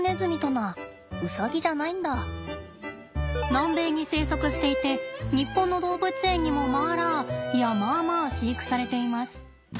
南米に生息していて日本の動物園にもマーラーいやマーマー飼育されています。